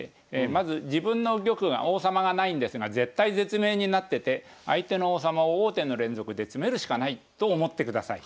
まず自分の玉が王様がないんですが絶体絶命になってて相手の王様を王手の連続で詰めるしかないと思ってください。